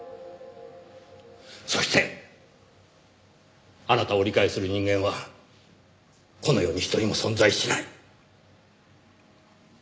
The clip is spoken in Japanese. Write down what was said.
そしてあなたを理解する人間はこの世に１人も存在しない。